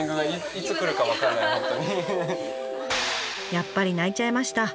やっぱり泣いちゃいました。